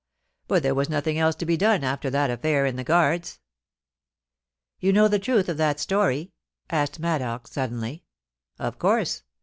But there was nothing else to be dene after that affair in the Guards.' * You know the truth of that story ?' asked Maddox, sud denly. 'Of course.